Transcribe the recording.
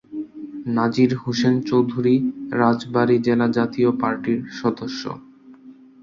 নাজির হোসেন চৌধুরী রাজবাড়ী জেলা জাতীয় পার্টির সদস্য।